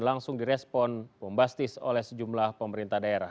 langsung direspon bombastis oleh sejumlah pemerintah daerah